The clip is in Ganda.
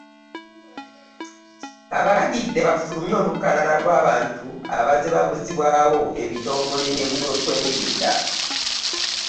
Abalagidde bafulumye olukalala lw'abantu abazze ababuzibwawo ebitongole by'eby'okwerinda.